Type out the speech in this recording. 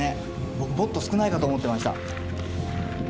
僕もっと少ないかと思ってました。